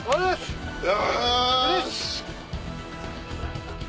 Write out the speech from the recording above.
よし。